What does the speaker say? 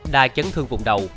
đa chấn thương vùng đầu